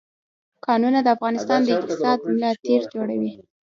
کانونه د افغانستان د اقتصاد ملا تیر جوړوي.